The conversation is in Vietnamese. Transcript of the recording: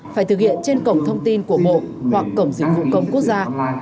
phải thực hiện trên cổng thông tin của bộ hoặc cổng dịch vụ công quốc gia